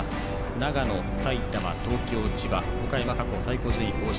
長野、埼玉、東京、千葉岡山、過去最高順位更新。